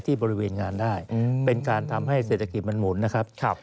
บริเวณงานได้เป็นการทำให้เศรษฐกิจมันหมุนนะครับ